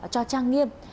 cho trang nghiêm